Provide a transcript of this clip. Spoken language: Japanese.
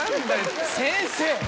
先生！